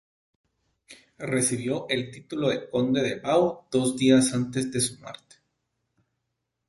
Recibió el título de conde de Bau dos días antes de su muerte.